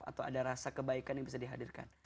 atau ada rasa kebaikan yang bisa dihadirkan